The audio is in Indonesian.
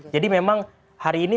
jadi memang hari ini